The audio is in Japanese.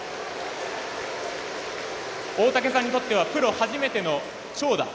大竹さんにとってはプロ初めての長打。